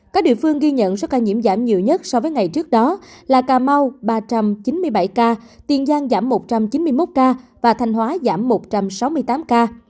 các địa phương ghi nhận số ca nhiễm giảm nhiều nhất so với ngày trước đó là cà mau ba trăm chín mươi bảy ca tiền giang giảm một trăm chín mươi một ca và thanh hóa giảm một trăm sáu mươi tám ca